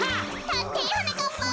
たって！はなかっぱん。